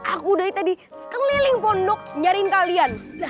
aku dari tadi sekeliling pondok nyariin kalian